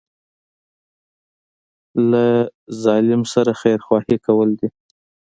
له ظالم سره خیرخواهي کول دي.